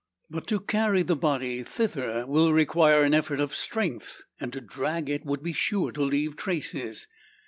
But to carry the body thither will require an effort of strength; and to drag it would be sure to leave traces.